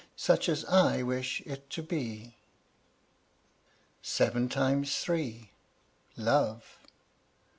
Such as I wish it to be. SEVEN TIMES THREE. LOVE.